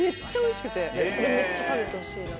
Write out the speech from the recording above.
それめっちゃ食べてほしいな。